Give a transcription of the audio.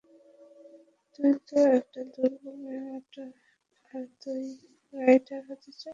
তুই তো একটা দূর্বল মেয়ে মাত্র, আর তুই রাইডার হতে চাস?